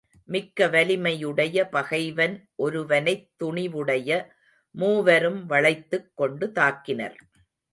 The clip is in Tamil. மிக்க வலிமையுடைய பகைவன் ஒருவனைத் துணிவுடைய மூவரும் வளைத்துக் கொண்டு தாக்கினர்.